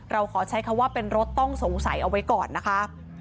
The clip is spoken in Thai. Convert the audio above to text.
เราขอใช้คำว่าเป็นรถต้องสงสัยเอาไว้ก่อนนะคะ